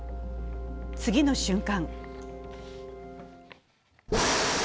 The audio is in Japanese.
次の瞬間